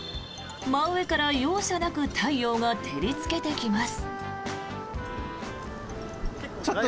真上から容赦なく太陽が照りつけてきます。